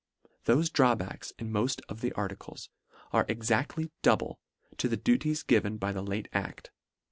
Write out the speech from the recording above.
Thofe drawbacks in moft of the articles, are ex actly double to the duties given by the late acl.